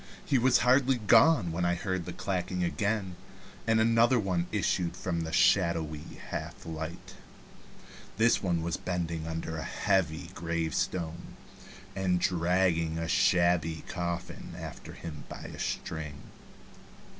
He was hardly gone when I heard the clacking again, and another one issued from the shadowy half light. This one was bending under a heavy gravestone, and dragging a shabby coffin after him by a string.